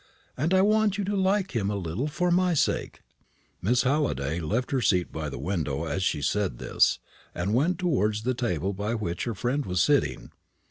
And I want you to like him a little for my sake." Miss Halliday left her seat by the window as she said this, and went towards the table by which her friend was sitting.